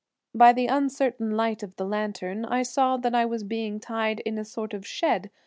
By the uncertain light of the lantern I saw that I was being tied in a sort of shed.